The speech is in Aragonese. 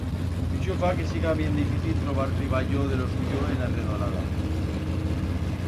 Ixo fa que siga bien difícil trobar triballo de lo suyo en la redolada.